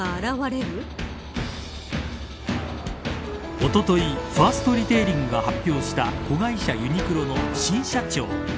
おとといファーストリテイリングが発表した子会社ユニクロの新社長。